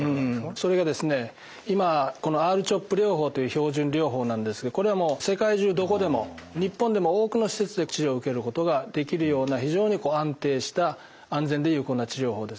それがですね今ＲーＣＨＯＰ療法という標準療法なんですがこれはもう世界中どこでも日本でも多くの施設で治療を受けることができるような非常に安定した安全で有効な治療法です。